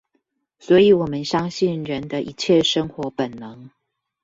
所以我們相信人的一切生活本能